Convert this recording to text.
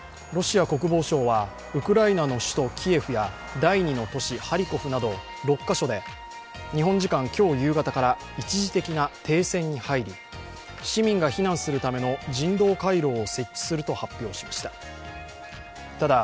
ロシア国防省はウクライナの首都キエフや第２の都市ハリコフなど６カ所で日本時間今日夕方から一時的な停戦に入り、市民が避難するための人道回廊を設置すると発表しました。